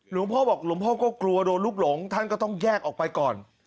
หลวงพ่อบอกหลวงพ่อก็กลัวโดนลูกหลงท่านก็ต้องแยกออกไปก่อน